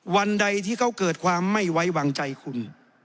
วันใดที่เขาเกิดความไม่ไว้วางใจคุณ